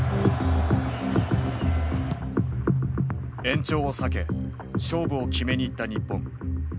延長を避け勝負を決めにいった日本。